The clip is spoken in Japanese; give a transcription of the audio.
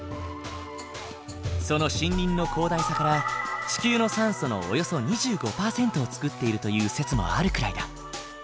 その森林の広大さから地球の酸素のおよそ２５％を作っているという説もあるくらいだ。